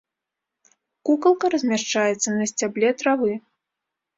Кукалка размяшчаецца на сцябле травы.